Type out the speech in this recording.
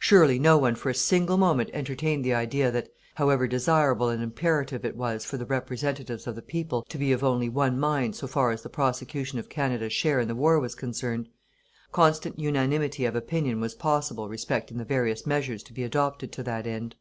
Surely, no one for a single moment entertained the idea that, however desirable and imperative it was for the representatives of the people to be of only one mind so far as the prosecution of Canada's share in the war was concerned, constant unanimity of opinion was possible respecting the various measures to be adopted to that end.